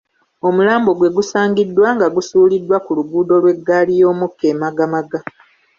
Omulambo gwe gusaangiddwa nga gusuuliddwa ku luguudo lw'eggali y'omukka e Magamaga